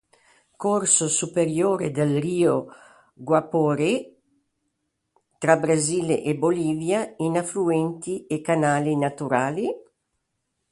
Corso superiore del Rio Guaporé, tra Brasile e Bolivia, in affluenti e canali naturali.